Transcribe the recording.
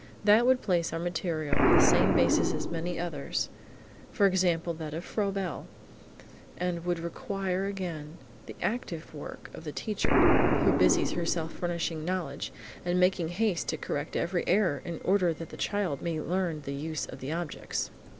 That would place our material on the same basis as many others, for example that of Froebel, and would require again the active work of the teacher, who busies herself furnishing knowledge, and making haste to correct every error in order that the child may learn the use of the objects.